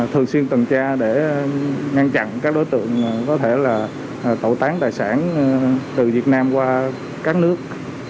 thường xuyên tuần tra để ngăn chặn các đối tượng có thể là tẩu tán tài sản từ việt nam qua các nước